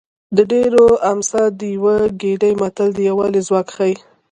د ډېرو امسا د یوه ګېډۍ متل د یووالي ځواک ښيي